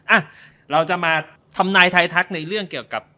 อ่ะเราจะมาทำนายไทยทักในเรื่องเกี่ยวกับ